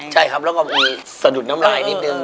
ใช่ครับแล้วก็มีสะดุดน้ำลายนิดนึง